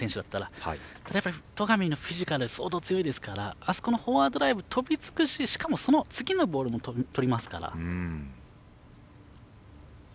ただ、戸上のフィジカル相当、強いですからあそこのフォアドライブ飛びつくししかも次のボールもとりますから。